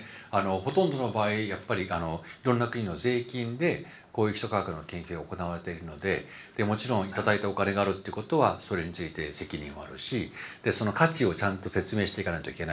ほとんどの場合やっぱりいろんな国の税金でこういう基礎科学の研究が行われているのでもちろん頂いたお金があるってことはそれについて責任もあるしその価値をちゃんと説明していかないといけないと思います。